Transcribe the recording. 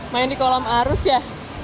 main di kolam arus ya